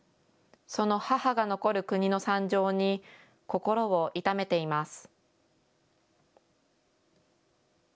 その母が残る国の惨状に心を痛めています。